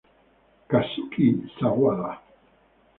Kazuki Sawada